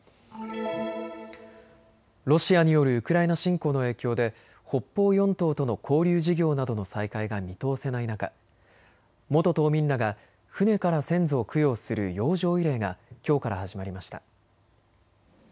ロシアによるウクライナ侵攻の影響で北方四島との交流事業などの再開が見通せない中、元島民らが船から先祖を供養する洋上慰霊がきょうから始まりました。